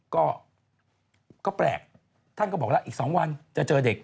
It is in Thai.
ก็แปลกท่านก็บอกแล้วอีก๒วันจะเจอเด็ก